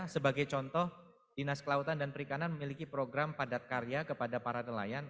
sebagai contoh dinas kelautan dan perikanan memiliki program padat karya kepada para nelayan